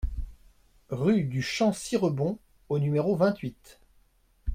Rue du Champ Sirebon au numéro vingt-huit